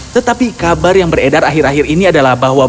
tetapi kabar yang beredar akhir akhir ini adalah bahwa